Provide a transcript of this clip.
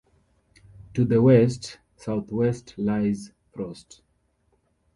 To the west-southwest lies Frost.